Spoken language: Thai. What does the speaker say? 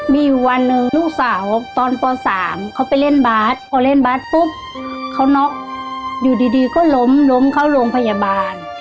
มีอยู่วันหนึ่งลูกสาวตอนป๓เขาไปเล่นบาสพอเล่นบาสปุ๊บเขาน็อกอยู่ดีก็ล้มล้มเข้าโรงพยาบาล